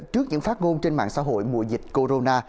trước những phát ngôn trên mạng xã hội mùa dịch corona